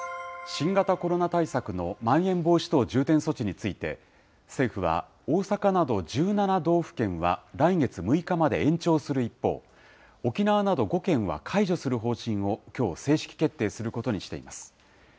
新型コロナ対策のまん延防止等重点措置について、政府は、大阪など１７道府県は来月６日まで延長する一方、沖縄など５県は解除する方針をきょう、正式決定することにしています。